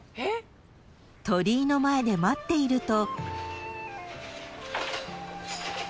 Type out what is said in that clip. ［鳥居の前で待っていると］